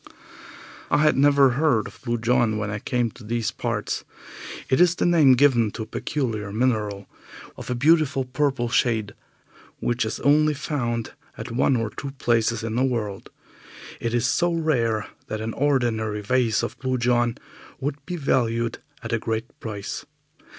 I had never heard of Blue John when I came to these parts. It is the name given to a peculiar mineral of a beautiful purple shade, which is only found at one or two places in the world. It is so rare that an ordinary vase of Blue John would be valued at a great price.